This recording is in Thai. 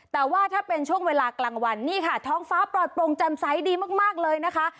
แต่ว่าถ้าเป็นช่วงเวลากลางวันซะหมากเลยนะคะ